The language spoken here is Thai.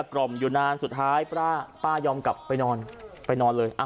กล่อมอยู่นานสุดท้ายป้ายอมกลับไปนอนไปนอนเลย